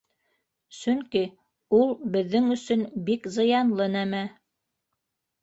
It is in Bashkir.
Сөнки ул беҙҙең өсөн бик зыянлы нәмә.